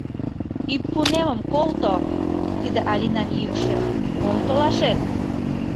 — Ӱппунемым колто, — Тиде Алинан йӱкшӧ, — Мом толашет?